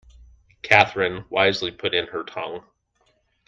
Catherine wisely put in her tongue.